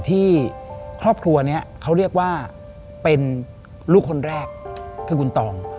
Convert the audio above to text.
ที่ครอบครัวนี้เขาเรียกว่าเป็นลูกคนแรกคือคุณตอง